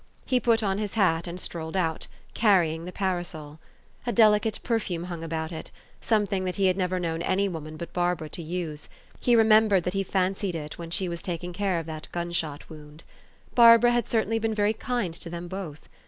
He put on his hat and strolled out, carrying the parasol. A delicate perfume hung about it, something that he had never known any woman but Barbara to use : he remembered that he fancied it when she was taking care of that gunshot wound. Barbara had certainly been very kind to them both.